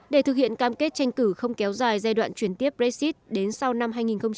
để thực hiện cam kết tranh cử không kéo dài giai đoạn chuyển tiếp brexit đến sau năm hai nghìn hai mươi